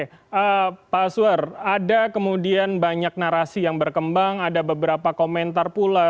oke pak suar ada kemudian banyak narasi yang berkembang ada beberapa komentar pula